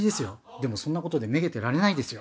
でもそんなことでめげてられないですよ。